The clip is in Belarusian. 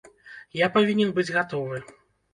Я павінен быць гатовы.